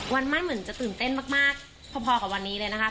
วันมั่นแหมือนจะตื่นเต้นมากเปอร์กว่าวันนี้นะครับ